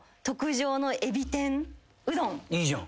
いいじゃん。